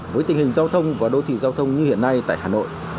với tình hình giao thông và đô thị giao thông như hiện nay tại hà nội